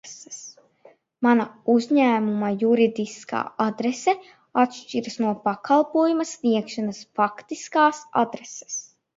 Mana uzņēmuma juridiskā adrese atšķiras no pakalpojuma sniegšanas faktiskās adreses.